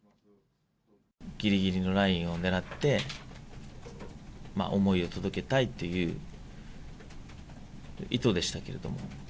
ぎりぎりのラインをねらって、思いを届けたいという意図でしたけれども。